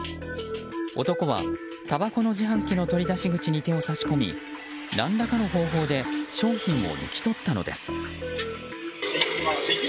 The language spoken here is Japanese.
男は、たばこの自販機の取り出し口に手を差し込み何らかの方法で商品を抜き取ったのです。